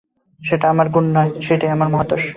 সেটা আমার গুণ নয়, সেইটেই আমার মহদ্দোষ।